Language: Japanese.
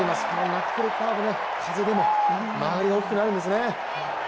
ナックルカーブ、風でも曲がりが大きくなるんですね。